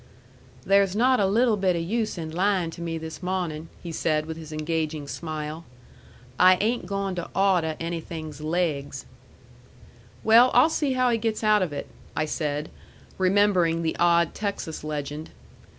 "There's not a little bit o' use in lyin' to me this mawnin'," he said, with his engaging smile. "I ain't goin' to awdeh anything's laigs." "Well, I'll see how he gets out of it," I said, remembering the odd Texas legend.